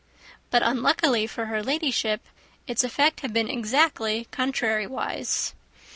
But, unluckily for her Ladyship, its effect had been exactly contrariwise.